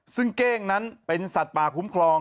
ซึ่งเก้งนั้นเป็นสัตว์ป่าคุ้มครอง